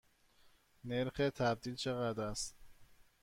نرخ تبدیل چقدر است؟